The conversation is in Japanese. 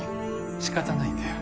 仕方ないんだよ。